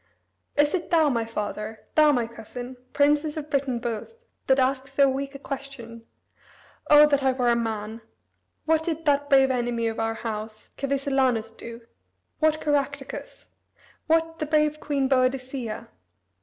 Is it thou, my father, thou, my cousin, princes of Britain both, that ask so weak a question? O that I were a man! What did that brave enemy of our house, Cassivellaunus, do? what Caractacus? what the brave queen Boadicea?